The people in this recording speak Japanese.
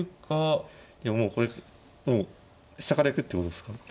いやもうこれ飛車から行くってことですか。